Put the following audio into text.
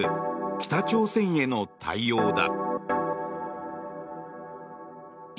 北朝鮮への対応だ。